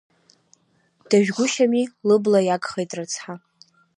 Дажәгәышьами, лыбла иагхеит рыцҳа.